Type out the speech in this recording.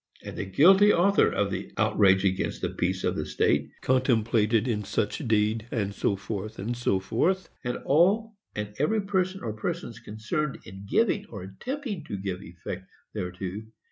And the guilty author of the outrage against the peace of the state, contemplated in such deed, &c. &c., "and all and every person or persons concerned in giving or attempting to give effect thereto